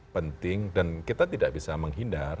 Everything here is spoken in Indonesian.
penting dan kita tidak bisa menghindar